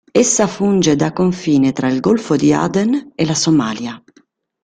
Essa funge da confine tra il golfo di Aden e la Somalia.